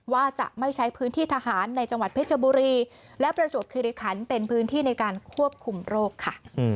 ว่าจะไม่ใช้พื้นที่ทหารในจังหวัดเพชรบุรีและประจวบคิริคันเป็นพื้นที่ในการควบคุมโรคค่ะ